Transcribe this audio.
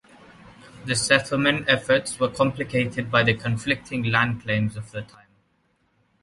The settlement efforts were complicated by the conflicting land claims of the time.